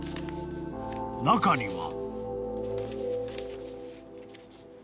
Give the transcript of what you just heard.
［中には］